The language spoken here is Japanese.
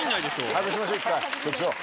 外しましょう一回局長。